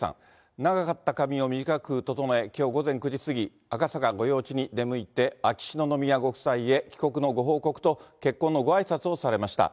長かった髪を短く整え、きょう午前９時過ぎ、赤坂御用地に出向いて、秋篠宮ご夫妻へ、帰国のご報告と結婚のごあいさつをされました。